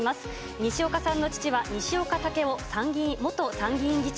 西岡さんの父は、西岡たけお元参議院議長。